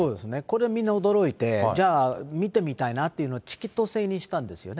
これはみんな驚いて、じゃあ、見てみたいなっていうので、チケット制にしたんですよね。